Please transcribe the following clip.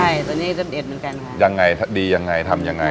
ใช่ตัวนี้สำเร็จเหมือนกันค่ะยังไงดียังไงทำยังไง